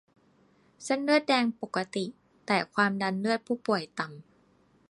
เส้นเลือดแดงปกติ แต่ความดันเลือดผู้ป่วยต่ำ